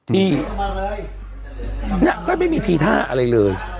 เนี่ยก็ไม่มีทีท่าอะไรเลย